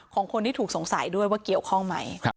ของคนที่ถูกสงสัยด้วยว่าเกี่ยวข้องไหม